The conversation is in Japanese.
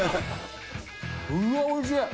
うわ、おいしい。